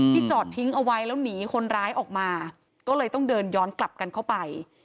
จอดทิ้งเอาไว้แล้วหนีคนร้ายออกมาก็เลยต้องเดินย้อนกลับกันเข้าไป